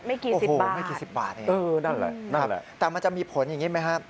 ไม่กี่สิบบาทนั่นแหละครับแต่มันจะมีผลอย่างนี้ไหมครับ